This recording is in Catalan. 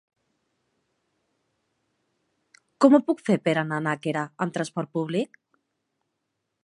Com ho puc fer per anar a Nàquera amb transport públic?